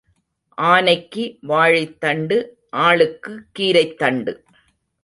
ஆனைக்கு வாழைத்தண்டு ஆளுக்குக் கீரைத்தண்டு.